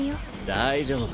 大丈夫。